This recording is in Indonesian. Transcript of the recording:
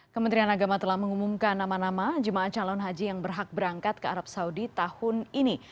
kementerian agama telah mengumumkan nama nama jemaah calon haji yang berhak berangkat ke arab saudi tahun ini